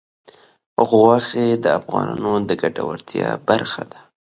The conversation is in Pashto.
غوښې د افغانانو د ګټورتیا برخه ده.